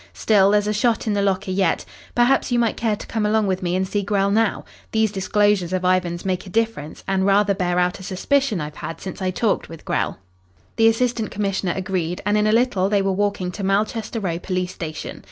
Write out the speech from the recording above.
Still, there's a shot in the locker yet. Perhaps you might care to come along with me and see Grell now. These disclosures of Ivan's make a difference, and rather bear out a suspicion I've had since I talked with Grell." The Assistant Commissioner agreed, and in a little they were walking to Malchester Row police station.